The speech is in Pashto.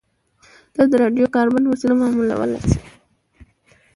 دا د راډیو کاربن په وسیله معلومولای شو